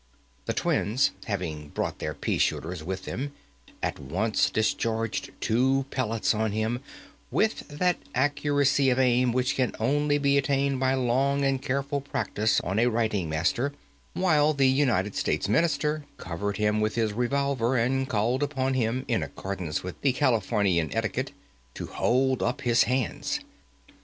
The twins, having brought their pea shooters with them, at once discharged two pellets on him, with that accuracy of aim which can only be attained by long and careful practice on a writing master, while the United States Minister covered him with his revolver, and called upon him, in accordance with Californian etiquette, to hold up his hands!